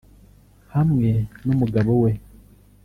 Hamwe n’umugabo we